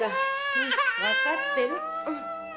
うんわかってる。